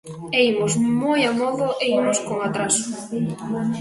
E imos moi amodo e imos con atraso.